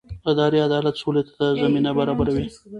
اداري عدالت سولې ته زمینه برابروي